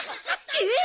えっ！